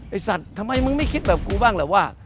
สัตว์ทำไมมึงไม่คิดแบบกูบ้างเหรอว่า